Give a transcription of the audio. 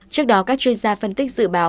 trước đó các chuyên gia phân tích dự báo